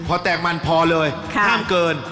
พอแตกมันพอเลยห้ามเกิน